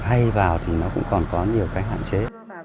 hay vào thì nó cũng còn có nhiều cái hạn chế